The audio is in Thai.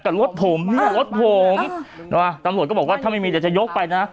รถผมเนี่ยรถผมตำรวจก็บอกว่าถ้าไม่มีเดี๋ยวจะยกไปนะ